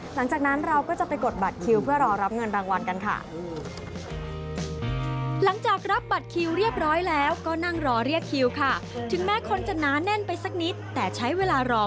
หลังจากนั้นเราก็จะไปกดบัตรคิว